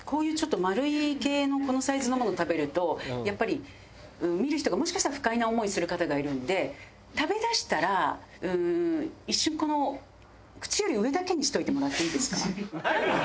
やっぱり見る人がもしかしたら不快な思いする方がいるんで食べだしたら一瞬この口より上だけにしといてもらっていいですか？